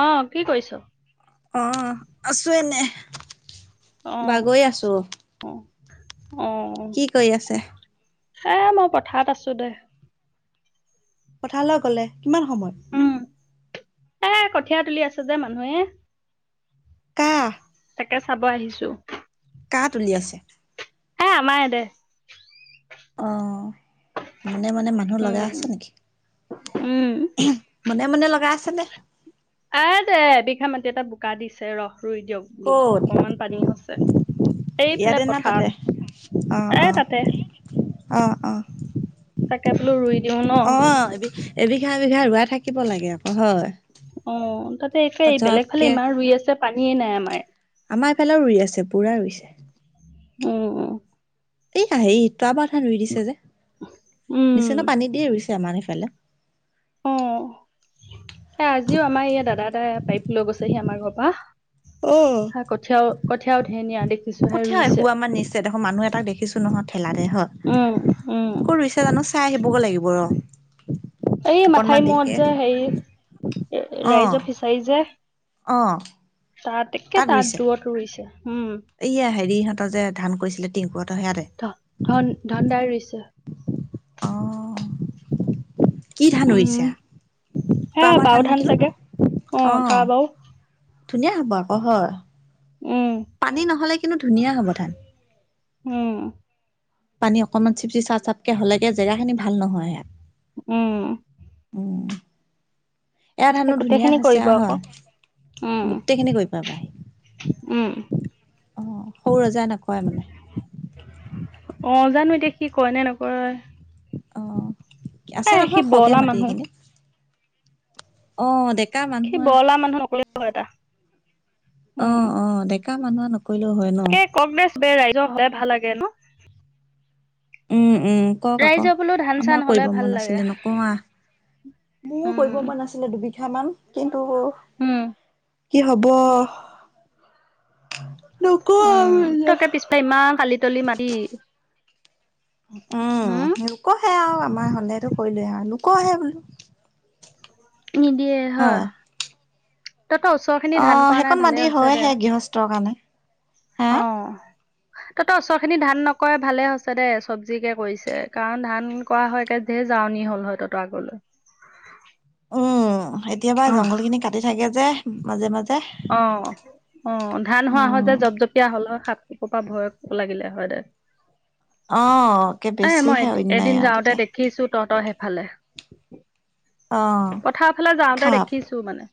অ কি কৰিছ? অ আছো এনে অ বাগৰি আছো। অ অ কি কৰি আছে এই মই পথাৰত আছো দেই। পথাৰলৈ গলে কিমান সময়? উম এ কঠীয়া তুলি আছে যে মানুহে কাহ তাকে চাব আহিছো। কাৰ তুলি আছে? এই‌ আমাৰ ইয়াৰ দে অ মনে মনে মানুহ লগা উম আছে নেকি উম মনে মনে লগ [inaudible] এ দে এবিঘা মাটি এটা বোকা দিছে ৰস ৰুই দিয়ক বোলো ক'ত অকমান পানী হৈছে। এইফালে ইয়াতে না পথাৰত তাতে অ এ অ তাতে অহ অ তাকে বোলো ৰুই দিওঁ ন। অ এ এবিঘা বিঘা ৰুৱাই থাকিব লাগে আকৌ হয়। অ তাতে একেই বেলেগ ফালে পতককে ইমান ৰুই আছে পানীয়ে নাই আমাৰ। আমাৰ এইফালেও ৰুই আছে পুৰা ৰুইছে। অ। এই হেৰি তৰা পথাৰত ৰুই দিছে যে দিছে উম ন পানী দিয়ে ৰুইছে। আমাৰ সিফালে [inaudible] অ এ আজিও আমাৰ ই দাদা এাই পাৰিপ লৈ গৈছেহি আমাৰ ঘৰ পৰা হ কঠীয়া কঠীয়া উঠ কঠিয়খো আমাৰ নিশ্চয় দেখোন মানুহ এটাক দেখিছো নহয় ঠেলাতে হ উম উম কত ৰুছে জানো চাই আহিবগৈ লাগিব ৰ এই মাথাই অকনমান দেৰিকে মত যে হেৰি অ ৰাইজক সিচাৰি যে অ [inaudible] ততেকে তাত দূৰত ৰুইছে। উম এইয়া হেৰিহঁতৰ যে ধান কৰিছিলে টিংকুহঁতৰ সেয়াতে ধ ধন ধন দাৰ [unintelligible] অ কি ধান উম ৰুইছা [inaudible] হে তপাৰ বাও থান ধান নেকি চাগে ন অ আহ তৰা বাও [inaudible] ধুনীয়া হব আকৌ হয় উম পানী নহলে কিন্তু ধুনীয়া হ'ব ধান। উম [inaudible] পানী অকনমান চিপচি চা চাপকে হলেগে জেগা খিনি ভাল নহয় উম [inaudible] উম এয়া সেই ধানো ধুনীয়া গোটেইখিনি হৈছে কৰিব আহ আকৌ উম গোটেই খিনি কৰি পাৰিৱা [inaudible] উম অহ সৰু ৰজাই নকয় মানে [inaudible] নাজানো এতিয়া কি কয় নে নকয় অ এ আছে সি নহয় খওকে বৰলা মাটি এই মানুহ খিনিত সি মানুহ বলা মানুহ নকলে এটা [inaudible] অ উম অ ডেকা মানুহ নকৰিলেও হয় ন বে ৰাইজ সাই ভাল লাগে ন [inaudible] উম উম কওক আকৌ ৰাইজৰ বোলো ধান চান আমাৰ হলে কৰিব ভাল মন লাগে। আছিলে নোকোৱা। মোৰো কৰিব উম। পৰা নাছিলে দুবিঘা মান কিন্তু উম কি হব! নকওঁ উম আৰু এতিয়া। তাকে পিছফ ইমান কালি তলি মা উম লোকহে আৰু আমাৰ হলেতটো কৰিলোৱে আৰু লোক আহে বোলো নিদিয়ে হয়। তহঁতৰ ওচৰ খিনি ধান অ', কৰা নাই সেইকণ ভালে মাটি হৈছে দে। হয়হে গৃহস্থৰ কাৰণে। হা। অ'। তহঁতৰ ওচৰখিনি ধান নকৰে ভালে হৈছে দে, চব্জিকে কৰিছে, কাৰণ ধান কৰা হয়‌, একে ধেৰ জাৱনি হ'ল হয়, তহঁতৰ আগলৈ। উম, এতিয়া‌ পা, অ', জংঘলখিনি কাটি থাকে যে, মাজে, মাজ অ', অ', ধান হোৱা হয়, উম। যে, জপজপীয়া হ'ল হয়, [unintelligible] এসোপা ভয় লাগিলে হয়, দে অ', একে এ, মই বেছিহে অন্যায় এদি-এদিন আৰু যাওঁতে তেতিয়া দেখিছোঁ তহঁতৰ হেই ভালে। অ', পথাৰ ফালে যাওঁতে দেখিছোঁ মানে।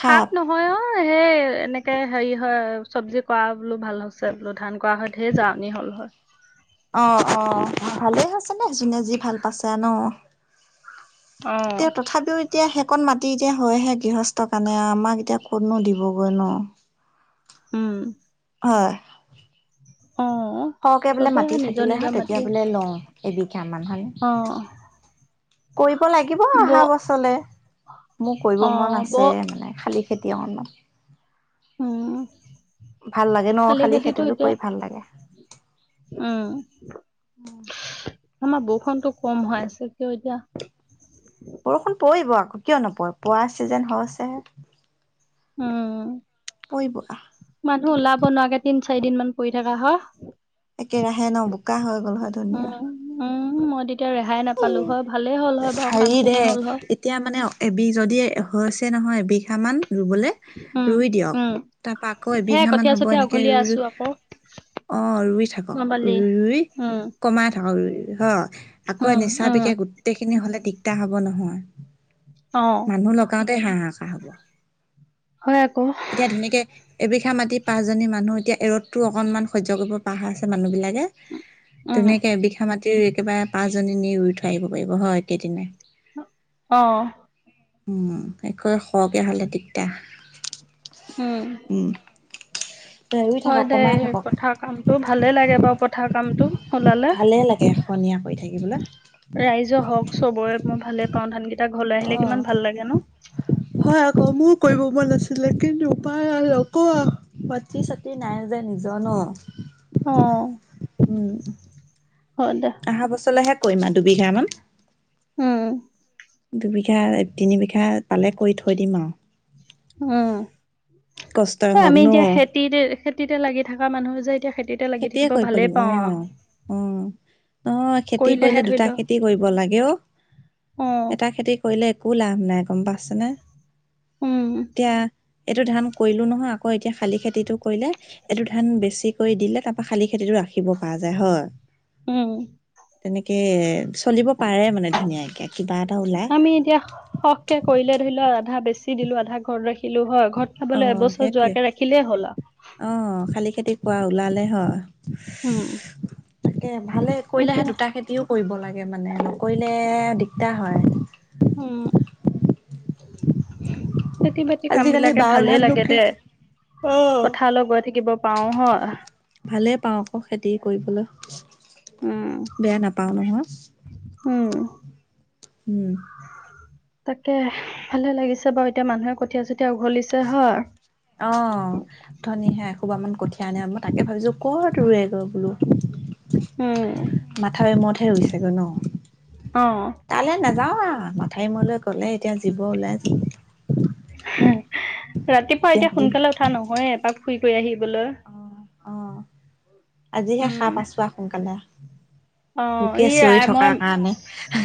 সাপ মই অ সেই এনেকে হেৰি হয় চব্জি কৰা বোলো ভাল হৈছে বোলো ধান থকা সৈতেহে যামানি হ'ল হয় অ অ ভালেই হৈছে নে যোনে যি ভাল পাইছে ন [inaudible] অ তেওঁ তথাপিও এতিয়া শেকণ মাতি এতিয়া হৈহে গৃহস্থৰ কাৰণে আমাক এতিয়া কতনো দিবগৈ ন উম হয় অ সৰহকে বোলে চবৰে মাতি নিজৰ থাকিলে হয় নিজৰ তেতিয়া মাটি বোলে লওঁ এবিঘা মান অ সানি কৰিব লাগিব ব অহা বছৰলে মোৰ কৰিব অ মন ব আছে মানে শালি খেতি অকনমান উম ভাল লাগে ন শালি খেতিটো এতিয়া কৰি ভাল লাগে উম আমাৰ বৰষুণতো কম হৈ আছে কিয় এতিয়া বৰষুণ পৰিব আকৌ কিয় নপৰিব পৰা চিজন আছে নহয় উম পৰিব বনোৱাকে তিন চাৰি দিন মান পৰি থকা হয় একেৰাহে ন বোকা হৈ গ'ল। হয় ধুনীয়া উম উম মই তেতিয়া ৰেহাই এ নাপালো হয় ভালেই হ'ল হয় বাৰু কাম হেৰি দে খিনি হ'ল হয় এতিয়া মানে এবি যদি হৈছে নহয় বিষ ৰুবলে উম ৰুই দিয়ক উম তাৰপৰা আকৌ সেয়া এবিঘা মান কঠীয়া হ'ব চঠীয়া এনেকে উঘলিয়াই ৰুই আছো ৰুই আকৌ অ ৰুই থাকক ন'বালি ৰুই ৰুই উম, কমাই থাকক ৰুই ৰুই হয় আকৌ উম, নিচা উম, বিষে গোটেইখিনি হলে দিগদাৰ হব নহয় অ', মানুহ লগাওতে তাতে হাঁহ হা চা হ'ব হয় আকৌ এতিয়া ধুনীয়াকে এবিঘা মাটিৰ পাঁচজনী মানুহ এতিয়া এ ৰ'দতো অকনমান সহ্য কৰিব পৰা হৈছে মানুহবিলাক কে উম, তেনেকে এবিঘা মাটিৰ একেবাৰে পাঁচজনী নি ৰুই থৈ আহিব পাৰিব হয় কেইদিন। অ', উম, একো সৰহকে হ'লে দিগদাৰ। উম। ৰুই হয় থাকক দেই, কমাই থাকক পথাৰ কামটো ভালে লাগে বাৰু পথাৰ কামটো ওলালে। ভালে লাগে খনীয়া কৰি থাকিবলৈ। ৰাইজৰে হওঁক চবৰে মই ভালে পাওঁ ধানকেই টা ঘৰলে আহিলে অ', কিমান ভাল লাগে ন'। হয় আকৌ মোৰ কৰিব মন আছিলে কিন্তু পাৰ আকৌ মাটি চাটি নাই যে নিজৰ ন'। অহ। উম। অহা বছৰলৈহে কৰিম আৰু দুবিঘা মান। উম, দুবিঘা তিনি বিঘা পালে কৰি থৈ দিম আৰু। উম, কষ্টই হওক আমি ন। এতিয়া খেতিতে খেতিতে লাগি থাকা মানুহ যে এতিয়া খে খতিয়ে কৰিব লাগিব উম, উম। নহয়, খেতি কৰিলে কৰিলেহে ধৰি দুটা ল খেতি কৰিব লাগে অ', অ', এটা খেতি কৰিলে একো লাভ নাই গম পাইছেনে, উম, এতিয়া এইটো ধান কৰিলোঁ নহয় আ আকৌ এতিয়া শালি খেতিটো কৰিলে এইটো ধান বেছি কৰি দিলে তাৰাপৰা শালি খেতিটো ৰাখিব পাৰিলে হয়। উম। তেনেকে। চলিব পাৰে মানে ধুনীয়াকে কিবা এটা ওলাই আমি এতিয়া সখকে কৰিলে ধৰি লও আধা বেছি, দিলো আধা ঘৰলৈ ৰাখিলো হয় ঘৰত অ খাবলৈ এবছৰ সেইটোৱে যোৱাকে ৰাখিলেই হ'ল আৰু কোৱা ওলালে হয়। উম। এ ভালে কৰিলেহে এতিয়া দুটা খেতিও কৰিব লাগে মানে নকৰিলে দিগদাৰ হয়। উম। খেতি বাতি কাম আজিকালি বিলাকে বাও ভালেই ধাননো লাগে কি দে পথাৰলৈ গৈ থাকিব পাৰো হয় ভালেই পাওঁ আকৌ খেতি কৰিবলৈ উম বেয়া নাপাও নহয়। উম উম তাকে ভালে লাগিছে বাৰু এতিয়া মানুহে কঠীয়া চতিয়া উঘলিছে হয় অ ধনী হে এসোপামান কঠিয়া আনে মই তাকে ভাবিছো কত ৰুৱেগৈ বোলো। উম মাথা [unintelligible] হৈছেগৈ ন? অ'। তালৈ নাযাও মাথাউৰি মূৰলৈ গ'লে এতিয়া জীৱ ওলাই ৰাতিপুৱা এতিয়া সোনকালে উঠা নহয়ে, এপাক ফুৰি কৰি আহিবলৈ। অ', অ', আজিহে উম সাৰ পাইছোঁ আৰু সোনকালে। অ', লোকে ই চিঞৰি আই, মই থকাৰ কাৰণে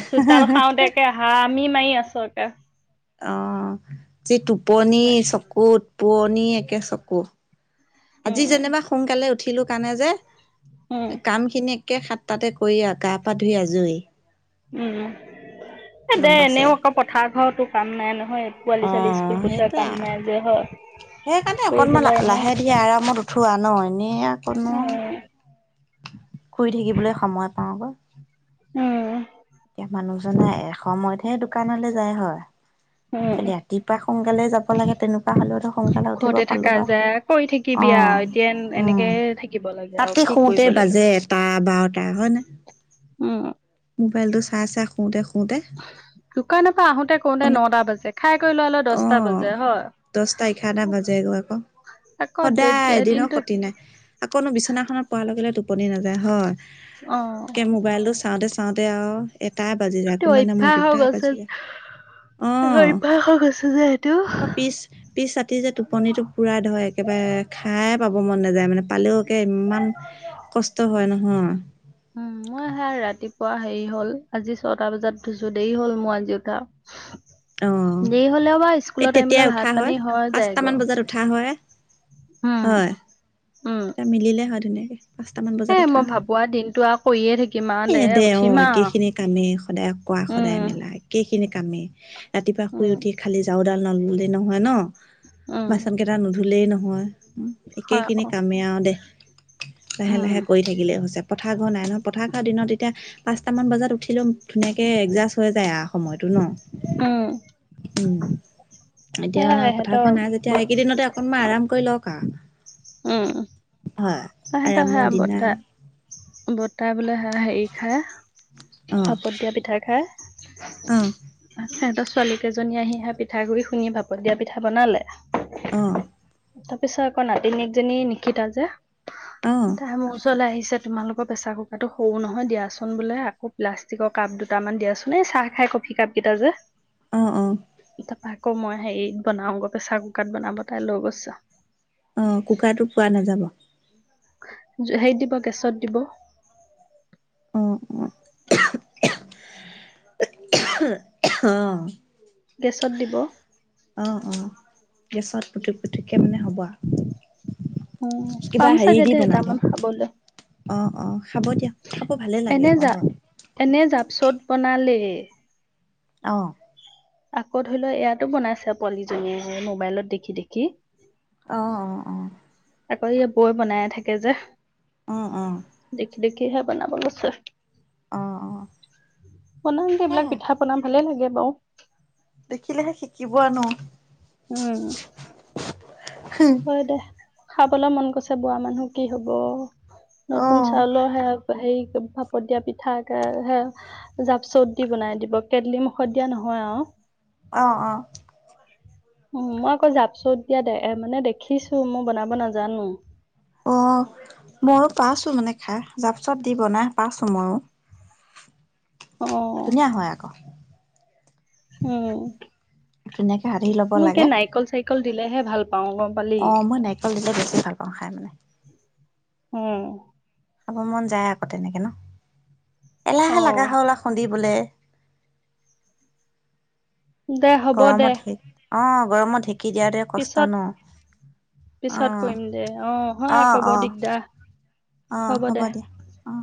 চোতাল সাৰোতে একে হামি মাৰি আছোঁ। এ অ', যি টোপনি, চকুত পোৱনি, একে চকু আজি উম যেনিবা সোনকালে উঠিলোঁ কাৰণে যে, উম কামখিনি একে সাতটাতে কৰি আ, আৰু গা, পা ধুই আজৰি। উম। এ, গম দে, পাইছে। এনেও আকৌ পথাৰ, ঘৰতো কাম নাই নহয়, পোৱালি, ছোৱালী অ', স্কুল পঠিওৱা সেইটোৱে আ। কাম নাই যে, হয়? সেইকাৰণে কৰি অকনমান পেলাই এনে লা-লাহে ধীৰে আৰামত উঠোঁ আৰু ন' এনেই আৰু ক'তনো উম আ শুই থাকিবলৈ সময় পাওঁ গৈ। উম। এতিয়া মানুহজনে এসময়তহে দোকানলে যায় হয়। উম ৰাতিপুৱা সোনকালে যাব লাগে তেনেকুৱা হ'লেওতো সোনকালে উঠিব ঘৰতে পালো থাকা হয়। যায় [unintelligible] এতিয়া অ', উম। এন-এনেকে থাকিব লাগে আৰু ৰাতি কি শুওঁতে কৰিব লাগে? বাজে এটা বাৰটা হয় নে? উম। মোবাইলটো চাই, চাই শুৱতে দোকানৰ পৰা আহোঁতে, কৰোতে আপুনি নটা বাজে, খাই কৰি ল অ', দচটা, এঘাৰটা বাজে গৈ আকৌ। আকৌ সদায় এদিনো দিনটো ক্ষতি নাই, আকৌনো বিচনাখনত পৰা লগে, লগে টো টোপনি নাযায় হয় অ [unintelligible] মোবাইলটো চাওঁতে চাওঁতে আৰু এটাই বাজি যায়, এইটো কোনোবা দিনা মোৰ দুটা অভ্যাস বাজি যায় হৈ অ' গৈছে অভ্যাস হৈ গৈছে যে এইটো পিছ পিছ ৰাতি যে টোপনিটো পুৰাই ধৰে একেবাৰে সাৰে পাব মন নাযায় মানে পালেও একে ইমান কষ্ট হয় নহ -হুম। দেৰি হ'ল আজি ছটা বজাত উঠিছো দেৰি হ'ল মোৰ আজি উঠা। অ দেৰি হলেও বাৰু এই স্কুলৰ টাইমলৈ তেতিয়াই উঠা ভাত হয় পানী হৈ পাঁচটামান যায়গৈ। বজাত উঠা হয় হ'ম। হয় মিলিলে হয় ধুনীয়াকে। পাঁচটামান এ বজাত উঠা মই হয় ভাবো আৰু দিনটো আৰু কৰিয়ে থাকিম আৰু এ দে অ উঠিম একে আৰু। খিনি কামেই সদায় কৰা সদায় উম, মেলা একেইখিনি কামেই ৰাতিপুৱা শুই উম, উঠি খালি ঝাড়ুডাল নললে নহয় ন উম, বাচন কেইটা নুধুলেই নহয় একে হয় খিনিক আকৌ কামে আৰু দে লাহে উম, লাহে কৰি থাকিলে হৈছে পথাৰ ঘৰ নাই নহয় পথাৰ ঘৰ দিনত এতিয়া পাঁচটামান বজাত উঠিলেও ধুনীয়াকৈ এডজাষ্ট হৈ যায় আৰু সময়ত উম উম এতিয়া সেয়াই ইহঁতৰ পথাৰখন নাই যেতিয়া বত এইকেইদিনতে অকনমান আৰাম কৰি লওক আ উম [unintelligible] বৰ্তা আৰামৰ দিনা বৰ্তাই বোলে হ হেৰি খায় অ ভাপত দিয়া পিঠা খাই অ আছে [unintelligible] ছোৱালীকেইজনী আহি সেয়া পিঠাগুৰি খুন্দি ভাপত দিয়া পিঠা বনালে অঁ তাৰ পিছত আকৌ নাতিনীয়েকজনী নিশিতা যে অ তাই মোৰ ওচৰলৈ আহিছে পিছে তোমালোকৰ প্ৰেচাৰ কুকাৰটো সৰু নহয় দিয়াচোন বোলে আকৌ প্লাষ্টিকৰ কাপ দুটামান দিয়াচোন এই চাহ খাই কফি কাপ কেইটা যে অ অ তাৰপা আকৌ মই হেৰিত বনাওঁ আকৌ প্ৰেছাৰ কুকাৰত বনাব তাই লৈ গৈছোঁ অ, কুকাৰটো পোৱা নাযাব। হেৰিত দিব গেছত দিব। অ, অ, অ,। পিছত দিব। অ, অ, গেছত পুটোক পুটোকে মানে হ'ব আওঁ উম কিবা পাম হেৰি চাগে দি দে বনাব এটামান খাবলৈ অ, অ খাব দিয়া খাব ভালে লাগে এনে আকৌ জা হয় এনে জাপচট বনালেই। অহ। আকৌ ধৰি লোৱা ইয়াতো বনাইছে পোৱালিজনীয়ে মোবাইলত দেখি দেখি। অ অ অ আকৌ হেয়ে বৌৱে বনায়ে থাকে যে। অহ, অহ। দেখি হে বনাব লৈছেহ। অ অ অ বনাম দে এইবিলাক সেয়াই পিঠা পনা বনাম ভালে লাগে বাৰু। দেখিলেহে শিকিবয়ে ন। উম। হয় দে খাবলৈ মন গৈছে বোৱা মানুহ কি হব, নতুন অহ চাউলৰ হেয়া। হেৰি ভাপত দিয়া পিঠা এটা হে, জাপচট দি বনাই দিব, কেটলি মুখত দিয়া নহয়। হয় আৰু? অহ অহ উ মই আকৌ জাপচত দিয়া দে-মানে দেখিছো মই বনাব নাজানো। অ ময়হো পাইছো মানে খাই জাপচাপ দি বনাই পাইছো ময়ো। অ ধুনীয়া হয় আকৌ। উম। ধুনীয়াকে সাধি ল'ব লাগে। তল দিলে ভাল পাওঁ গম পালি অ', মই নাৰিকল দিলে বেছি ভাল পাওঁ খাই মানে। উম। খাব মন যায় আকৌ তেনেকে ন, অ এলাহে লাগা হল আহ, খন্দিবলে। দে হ'ব দে। গৰমত ঢেক অ, গৰমত ঢেঁকী দিয়াতে কষ্ট পিছত ন? অ পিছত কৰিম দে, অ, হয় ক'ব দিগদাৰ। অ হ'ব দিয়া। অ।